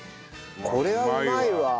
これはうまいわ。